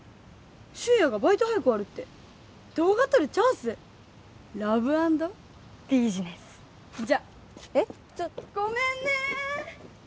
修哉がバイト早く終わるって動画撮るチャンスラブアンドビジネスじゃっえっちょごめんね！